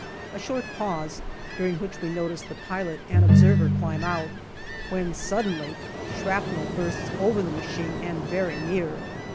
A short pause, during which we notice the pilot and observer climb out, when suddenly shrapnel bursts over the machine and very near.